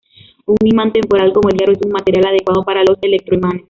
Un imán temporal como el hierro es un material adecuado para los electroimanes.